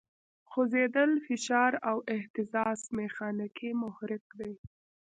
خوځېدل، فشار او اهتزاز میخانیکي محرک دی.